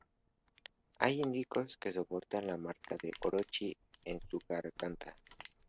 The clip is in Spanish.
Hay indicios de que porta la marca de Orochi en su garganta.